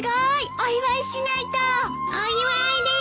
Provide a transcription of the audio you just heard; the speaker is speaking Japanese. お祝いです！